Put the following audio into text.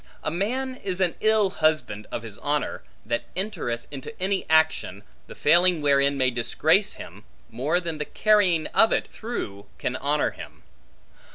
A man is an ill husband of his honor, that entereth into any action, the failing wherein may disgrace him, more than the carrying of it through, can honor him.